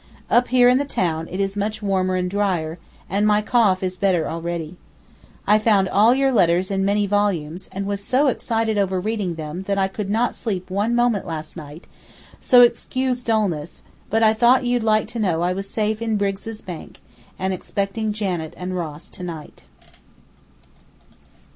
Up here in the town it is much warmer and dryer, and my cough is better already. I found all your letters in many volumes, and was so excited over reading them that I could not sleep one moment last night, so excuse dulness, but I thought you'd like to know I was safe in Briggs' bank, and expecting Janet and Ross to night.